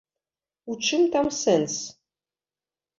У чым там сэнс?